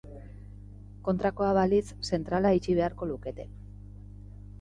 Kontrakoa balitz, zentrala itxi beharko lukete.